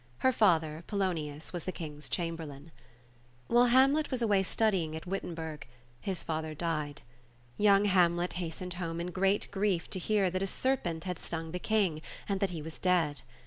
Her father, Polonius, was the King's Chamberlain. While Hamlet was away studying at Wittenberg, his father died. Young Hamlet hastened home in great grief to hear that a serpent had stung the King, and that he was dead.